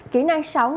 kỹ năng sống